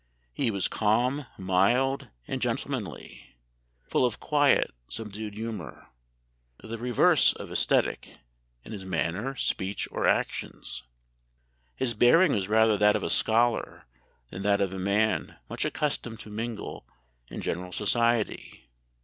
He was calm, mild, and gentlemanly; full of quiet, subdued humour; the reverse of ascetic in his manner, speech, or actions. His bearing was rather that of a scholar than that of a man much accustomed to mingle in general society....